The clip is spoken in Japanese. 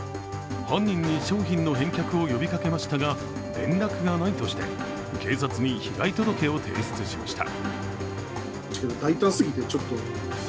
犯人に商品の返却を呼びかけましたが、連絡がないとして、警察に被害届を提出しました。